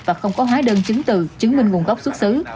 và không có hóa đơn chứng từ chứng minh nguồn gốc xuất xứ